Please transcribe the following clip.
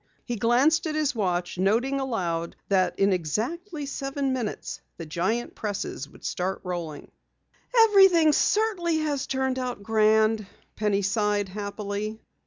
He glanced at his watch, noting aloud that in exactly seven minutes the giant presses would start rolling. "Everything certainly has turned out grand," Penny sighed happily.